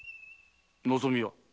望みは？